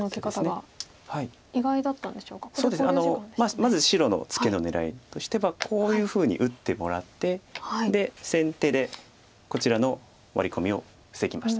まず白のツケの狙いとしてはこういうふうに打ってもらって先手でこちらのワリ込みを防ぎました。